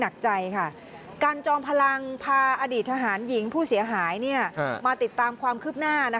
การจอมพลังพาอดีตทหารหญิงผู้เสียหายมาติดตามความคืบหน้า